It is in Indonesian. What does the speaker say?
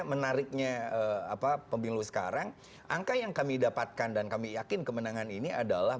menariknya apa pemilu sekarang angka yang kami dapatkan dan kami yakin kemenangan ini adalah